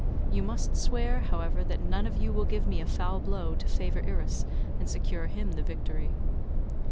You must swear, however that none of you will give me a foul blow to favour Irus and secure him the victory."